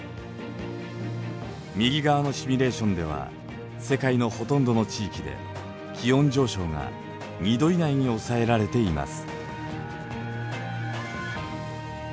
右側のシミュレーションでは世界のほとんどの地域で気温上昇が２℃以内に抑えられています。